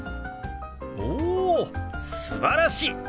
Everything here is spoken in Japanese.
おおすばらしい！